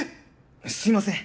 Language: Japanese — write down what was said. すみません！